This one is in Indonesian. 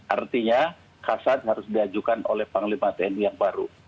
artinya kasat harus diajukan oleh panglima tni yang baru